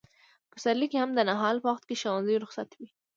په پسرلي کې هم د نهال په وخت کې ښوونځي رخصت وي.